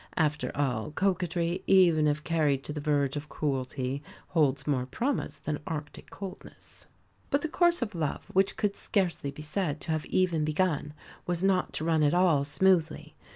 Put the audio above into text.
After all, coquetry, even if carried to the verge of cruelty, holds more promise than Arctic coldness. But the course of love, which could scarcely be said to have even begun, was not to run at all smoothly.